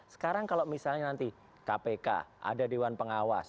sekarang kalau misalnya nanti kpk ada dewan pengawas